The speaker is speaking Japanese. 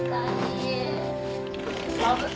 寒っ！